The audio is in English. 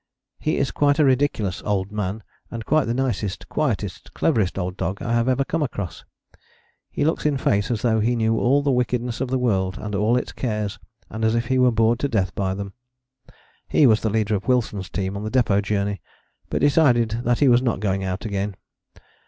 "He is quite a ridiculous 'old man,' and quite the nicest, quietest, cleverest old dog I have ever come across. He looks in face as though he knew all the wickedness of all the world and all its cares, and as if he were bored to death by them." He was the leader of Wilson's team on the Depôt Journey, but decided that he was not going out again.